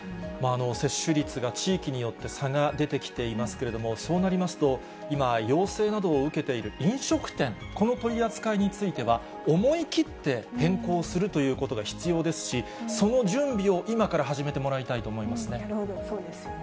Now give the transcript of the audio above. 接種率が地域によって差が出てきていますけれども、そうなりますと、今、要請などを受けている飲食店、この取り扱いについては、思い切って変更するということが必要ですし、その準備を今から始めてもらいたいと思いますね。